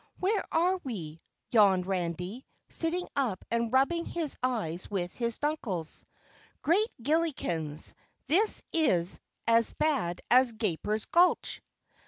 "Where are we?" yawned Randy, sitting up and rubbing his eyes with his knuckles. "Great Gillikens, this is as bad as Gaper's Gulch!"